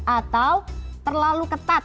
atau terlalu ketat